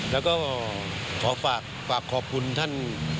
แล้วก็ขอฝากขอบคุณท่าน